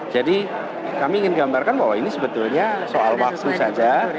jadi kami ingin menggambarkan bahwa ini sebetulnya soal waktu saja